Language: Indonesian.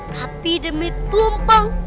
tapi demi tumpeng